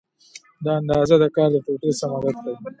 دا اندازه د کار د ټوټې سم عدد ښیي.